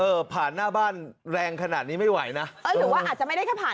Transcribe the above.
ผ่านหน้าบ้านแรงขนาดนี้ไม่ไหวนะเออหรือว่าอาจจะไม่ได้แค่ผ่าน